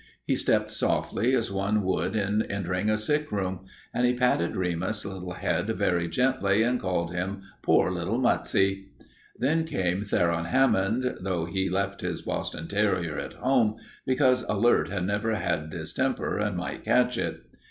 He stepped softly as one would in entering a sick room, and he patted Remus's little head very gently and called him "poor little muttsie." Then came Theron Hammond, though he left his Boston terrier at home because Alert had never had distemper and might catch it.